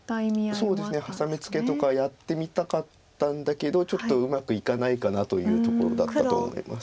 そうですねハサミツケとかやってみたかったんだけどちょっとうまくいかないかなというところだったと思います。